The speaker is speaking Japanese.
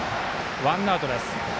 ワンアウトです。